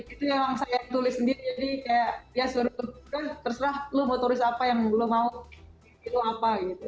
itu emang saya tulis sendiri jadi kayak ya terserah lo mau tulis apa yang lo mau itu apa gitu